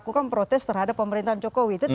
justru karena mereka keliru